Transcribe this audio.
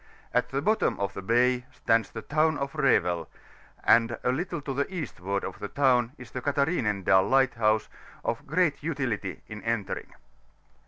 At the bottom of the bay stands the Town of Revel, and a little to the eastward of the town is the Cathaiinendal Liffhthouse, of great utility in entering.